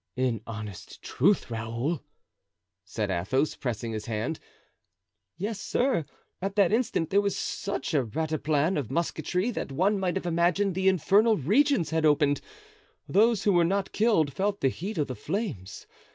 "In honest truth, Raoul?" said Athos, pressing his hand. "Yes, sir; at that instant there was such a rataplan of musketry that one might have imagined the infernal regions had opened. Those who were not killed felt the heat of the flames.